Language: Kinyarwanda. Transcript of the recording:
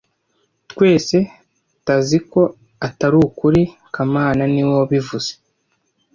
Twese taziko atari ukuri kamana niwe wabivuze